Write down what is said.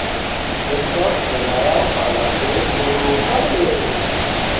এরপর সেনারা পালাতে শুরু করে।